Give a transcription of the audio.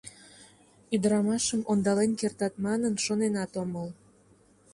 Ӱдрамашым ондален кертат манын, шоненат омыл.